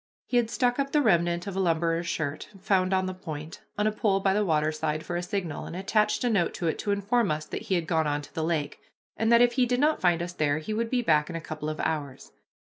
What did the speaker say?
He had stuck up the remnant of a lumberer's shirt, found on the point, on a pole by the waterside for a signal, and attached a note to it to inform us that he had gone on to the lake, and that if he did not find us there he would be back in a couple of hours.